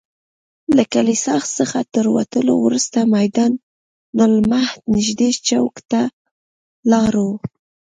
له کلیسا څخه تر وتلو وروسته میدان المهد نږدې چوک ته لاړو.